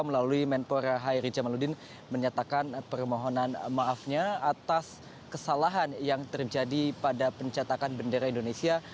melalui menpora hairi jamaludin menyatakan permohonan maafnya atas kesalahan yang terjadi pada pencetakan bendera indonesia